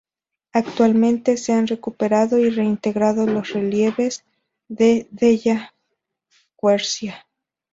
Actualmente, se han recuperado y reintegrado los relieves de Della Quercia.